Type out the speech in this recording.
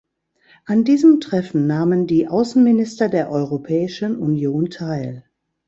An diesem Treffen nahmen die Außenminister der Europäischen Union teil.